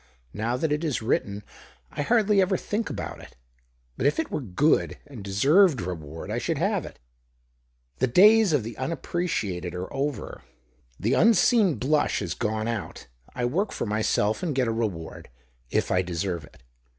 Now that it is written I hardly ever think about 100 THE OCTAVE OF CLAUDIUS. it. But if it were good, and deserved reward, I should have it. The days of the unappre ciated are over. The unseen blush is gone out. I work for myself and get a reward, if I deserve it.